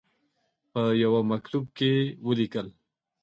په یوه مکتوب کې ولیکل.